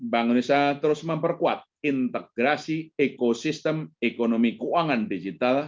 bank indonesia terus memperkuat integrasi ekosistem ekonomi keuangan digital